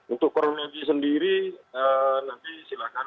untuk kronologi sendiri nanti silakan